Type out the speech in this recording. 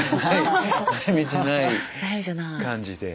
悩みじゃない感じで。